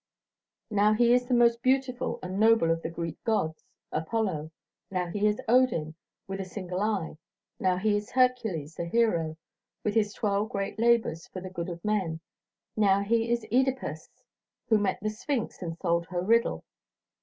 Now he is the most beautiful and noble of the Greek gods, Apollo; now he is Odin, with a single eye; now he is Hercules, the hero, with his twelve great labours for the good of men; now he is Oedipus, who met the Sphinx and solved her riddle.